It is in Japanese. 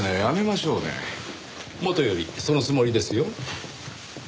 もとよりそのつもりですよ。